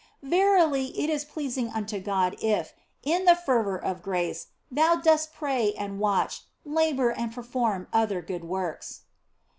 Verily it is pleasing unto God if, in the fervour of grace, thou dost pray and watch, labour and perform other good works.